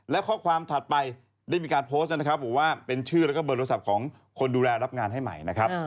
และข้อความถัดไปได้มีการโพสต์นะครับบอกว่าเป็นชื่อแล้วก็เบอร์โทรศัพท์ของคนดูแลรับงานให้ใหม่นะครับ